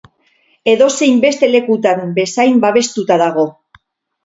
Edozein beste lekutan bezain babestuta dago.